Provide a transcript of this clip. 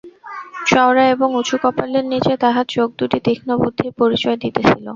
চওড়া এবং উঁচু কপালের নীচে তাঁহার চোখ দুটি তীক্ষ্ণ বুদ্ধির পরিচয় দিতেছিল।